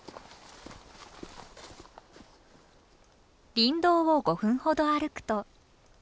林道を５分ほど歩くと。